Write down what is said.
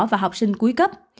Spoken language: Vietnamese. và học sinh cuối cấp